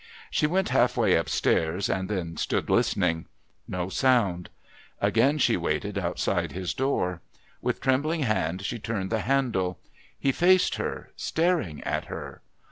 She went half way upstairs, and then stood listening. No sound. Again she waited outside his door. With trembling hand she turned the handle. He faced her, staring at her.